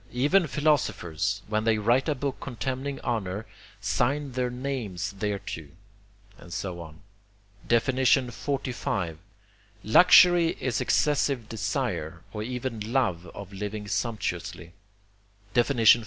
Even philosophers, when they write a book contemning honour, sign their names thereto," and so on. XLV. Luxury is excessive desire, or even love of living sumptuously. XLVI.